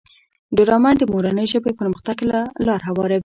ډرامه د مورنۍ ژبې پرمختګ ته لاره هواروي